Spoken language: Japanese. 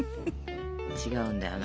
違うんだよな。